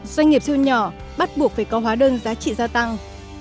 doanh nghiệp siêu nhỏ bắt buộc phải có hóa đơn giá trị gia tăng